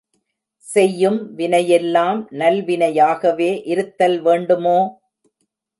செய்யும் வினையெல்லாம் நல்லவினையாகவே இருத்தல் வேண்டுமோ?